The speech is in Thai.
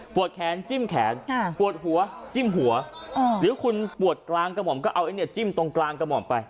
แขนจิ้มแขนปวดหัวจิ้มหัวหรือคุณปวดกลางกระหม่อมก็เอาไอ้เนี่ยจิ้มตรงกลางกระหม่อมไป